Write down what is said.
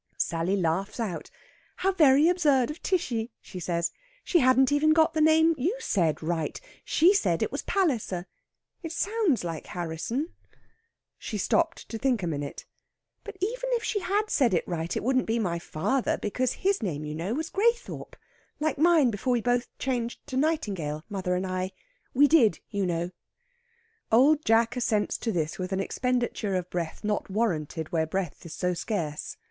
Sally laughs out. "How very absurd of Tishy!" she says. "She hadn't even got the name you said right. She said it was Palliser. It sounds like Harrisson." She stopped to think a minute. "But even if she had said it right it wouldn't be my father, because his name, you know, was Graythorpe like mine before we both changed to Nightingale mother and I. We did, you know." Old Jack assents to this with an expenditure of breath not warranted where breath is so scarce.